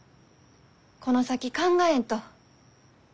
この先考えんと。